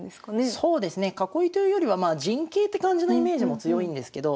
そうですね囲いというよりは陣形って感じのイメージも強いんですけど。